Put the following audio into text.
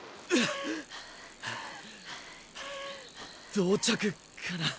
同着かな？